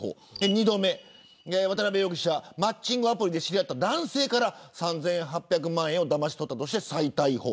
２度目はマッチングアプリで知り合った男性から３８００万円をだまし取ったとして再逮捕。